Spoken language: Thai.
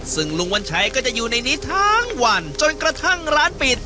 ซึ่งลุงวัญชัยก็จะอยู่ในนี้ทั้งวันจนกระทั่งร้านปิด